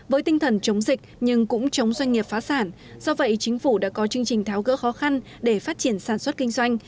với tinh thần chống dịch nhưng cũng chống doanh nghiệp phá sản do vậy chính phủ đã có chương trình tháo gỡ khó khăn để phát triển sản xuất kinh doanh